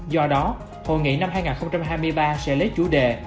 do đó hội nghị năm hai nghìn hai mươi ba sẽ lấy chủ đề